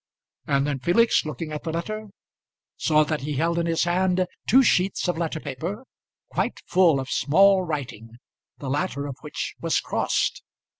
And then Felix, looking at the letter, saw that he held in his hand two sheets of letter paper, quite full of small writing, the latter of which was crossed.